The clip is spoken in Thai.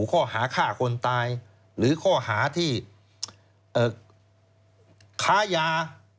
ข้อหาฆ่าคนตายหรือข้อหาที่ค้ายา